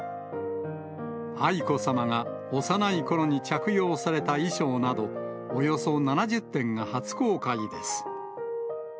愛子さまが幼いころに着用された衣装など、およそ７０点が初公開です。